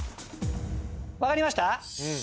わかりました？